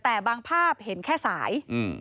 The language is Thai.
แต่บางภาพเห็นแค่สาย